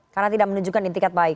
karena tidak menunjukkan intikat baik